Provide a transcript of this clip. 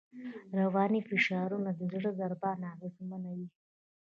رواني فشارونه د زړه ضربان اغېزمنوي.